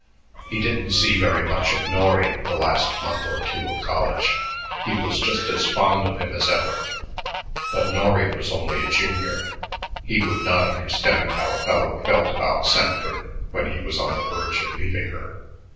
He didn't see very much of Norry the last month or two of college. He was just as fond of him as ever, but Norry was only a junior; he would not understand how a fellow felt about Sanford when he was on the verge of leaving her.